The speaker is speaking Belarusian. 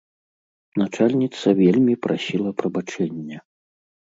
Начальніца вельмі прасіла прабачэння.